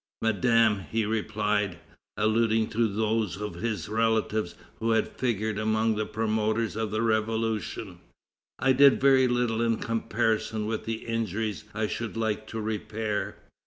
"Madame," he replied, alluding to those of his relatives who had figured among the promoters of the Revolution, "I did very little in comparison with the injuries I should like to repair.